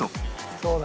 そうだ。